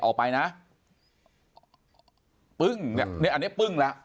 ออกไปนะปึ้งอันนี้ปึ้งแล้ว